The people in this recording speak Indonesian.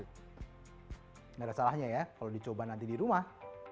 tidak ada salahnya ya kalau dicoba nanti di rumah